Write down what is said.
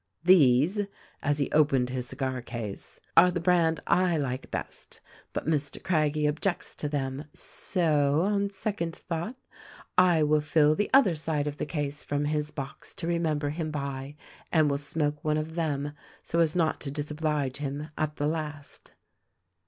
These,' as he opened his cigar case, 'are the brand I like best; but Mr. Craggie objects to them, so, on second thought, I will fill the other side of the case from his box to remember him by, and will smoke one of them — so as not to disoblige him, at the last.'